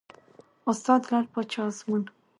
استاد : لعل پاچا ازمون